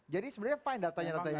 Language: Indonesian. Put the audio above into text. jadi sebenarnya fine datanya datanya